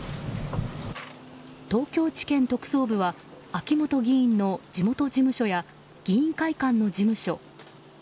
東京地検特捜部は秋本議員の地元事務所や議員会館の事務所